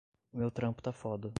O meu trampo tá foda